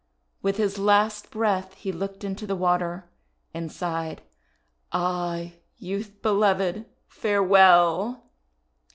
With his last breath he looked into the water and sighed, "Ah, Youth Beloved, farewell!'